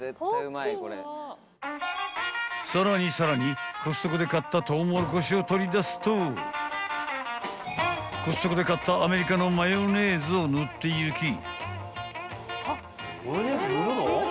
［さらにさらにコストコで買ったトウモロコシを取り出すとコストコで買ったアメリカのマヨネーズを塗っていき］